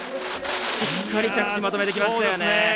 しっかり着地まとめてきました。